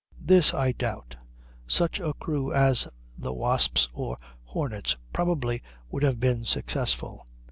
This I doubt; such a crew as the Wasp's or Hornet's probably would have been successful.